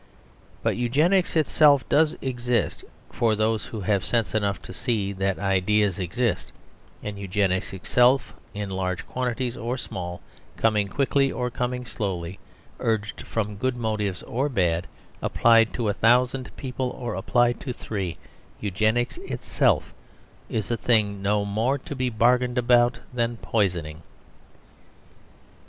But Eugenics itself does exist for those who have sense enough to see that ideas exist; and Eugenics itself, in large quantities or small, coming quickly or coming slowly, urged from good motives or bad, applied to a thousand people or applied to three, Eugenics itself is a thing no more to be bargained about than poisoning.